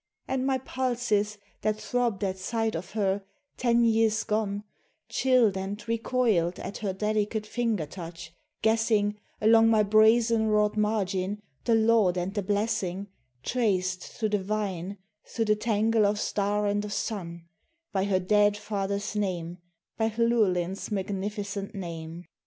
And my pulses that throbbed at sight of her, ten years gone, Chilled and recoiled at her delicate finger touch, guessing Along my brazen wrought margin, the laud and the blessing Traced, thro' the vine, thro' the tangle of star and of sun, By her dead father's name, by Llewellyn's magnificent name.